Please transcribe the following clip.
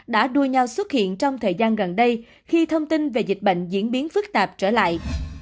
đã đua nhau xuất hiện trong thời gian gần đây khi thông tin về dịch bệnh diễn biến phức tạp trở lại